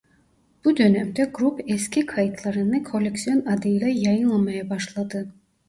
Bu dönemde grup eski kayıtlarını "Koleksiyon" adıyla yayınlamaya başladı.